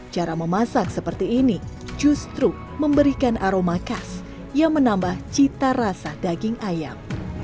cara memasak seperti ini justru memberikan aroma khas yang menambah cita rasa daging ayam